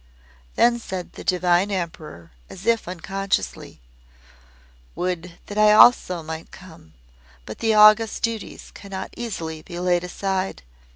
Then said the Divine Emperor as if unconsciously; "Would that I also might come! But the august duties cannot easily be laid aside.